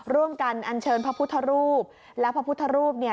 อันเชิญพระพุทธรูปและพระพุทธรูปเนี่ย